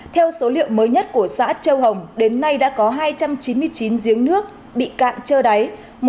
theo số liệu mới nhất của xã châu hồng đến nay đã có hai trăm chín mươi chín giếng nước bị cạn trơ đáy